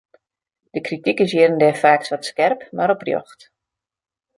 De krityk is hjir en dêr faaks wat skerp, mar oprjocht.